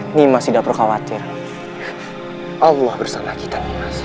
ini masih dapat khawatir allah bersama kita